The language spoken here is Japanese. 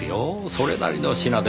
それなりの品です。